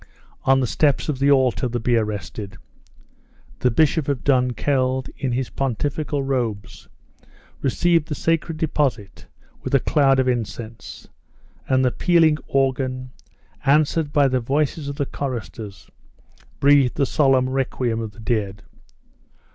On the steps of the altar the bier rested. The bishop of Dunkeld, in his pontifical robes, received the sacred deposit with a cloud of incense, and the pealing organ, answered by the voices of the choristers, breathed the solemn requiem of the dead.